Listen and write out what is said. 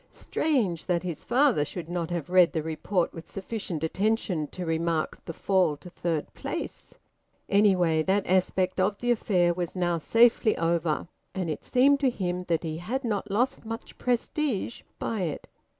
Strange that his father should not have read the report with sufficient attention to remark the fall to third place! Anyway, that aspect of the affair was now safely over, and it seemed to him that he had not lost much prestige by it.